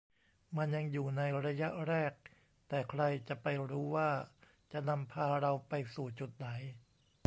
มันยังอยู่ในระยะแรก แต่ใครจะไปรู้ว่าจะนำพาเราไปสู่จุดไหน